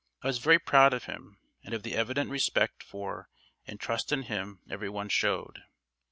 I was very proud of him and of the evident respect for and trust in him every one showed.